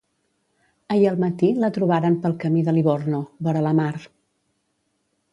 Ahir al matí la trobaren pel camí de Livorno, vora la mar.